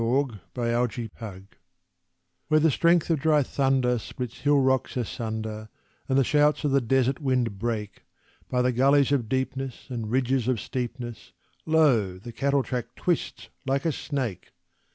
On a Cattle Track Where the strength of dry thunder splits hill rocks asunder, And the shouts of the desert wind break, By the gullies of deepness and ridges of steepness, Lo, the cattle track twists like a snake!